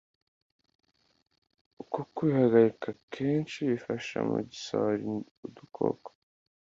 Uko kwihagarika kenshi bifasha mu gusohora udukoko